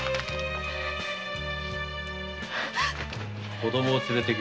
子供を連れて行け。